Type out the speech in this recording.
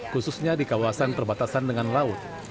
khususnya di kawasan perbatasan dengan laut